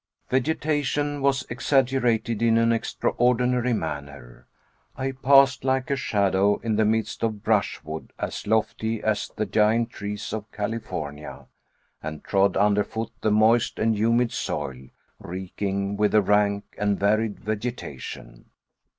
Vegetation was exaggerated in an extraordinary manner. I passed like a shadow in the midst of brushwood as lofty as the giant trees of California, and trod underfoot the moist and humid soil, reeking with a rank and varied vegetation.